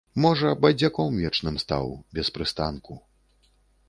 Можа, бадзяком вечным стаў, без прыстанку.